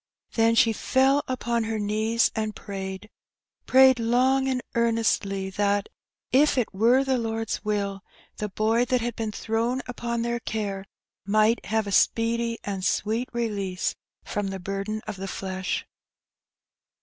Then she fell upon her knees and prayed ^prayed long and earnestly that, if it were the Lord s will, the boy that had been thrown upon their care might have a speedy and sweet release from the burden of the flesh.